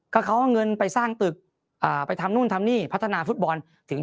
ก็เขาเอาเงินไปสร้างตึกไปทำนู่นทำนี่พัฒนาฟุตบอลถึง